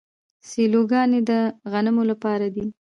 سیلوګانې د غنمو لپاره دي.